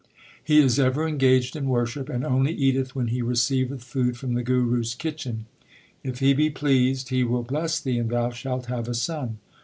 He is ever engaged in worship, and only eateth when he receiveth food from the Guru s kitchen. If he be pleased, he will bless thee and thou shalt have a son.